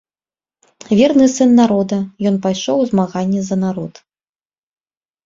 Верны сын народа, ён пайшоў у змаганне за народ.